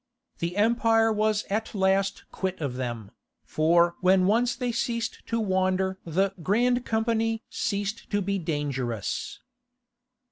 The empire was at last quit of them, for when once they ceased to wander the "Grand Company" ceased to be dangerous.